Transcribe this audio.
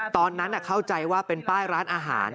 ตอนนั้นเข้าใจว่าเป็นป้ายร้านอาหาร